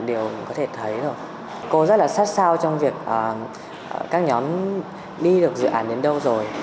đều có thể thấy rồi cô rất là sát sao trong việc các nhóm đi được dự án đến đâu rồi